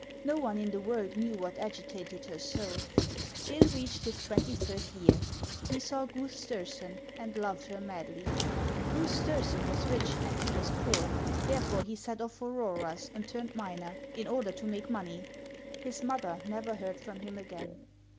No one in the world knew what agitated her soul. Gill reached his twenty third year ; he saw Gutli Stersen, and loved her madly. Guth Stersen was rich, and he was poor ; therefore he set off for Roeraas and turned miner, in order to make money. His mother never heard from him again.